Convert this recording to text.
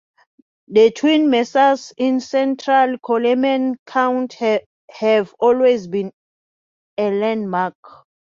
The twin mesas in central Coleman County have always been a landmark.